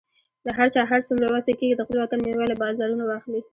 د هر چا هر څومره وسه کیږي، د خپل وطن میوه له بازارونو واخلئ